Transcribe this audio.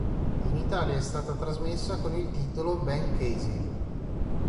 In Italia è stata trasmessa con il titolo "Ben Casey".